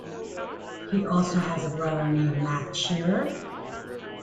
He also has a brother named Matt Shearer.